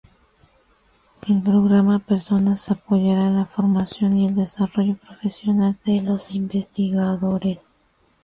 El programa Personas apoyará la formación y el desarrollo profesional de los investigadores.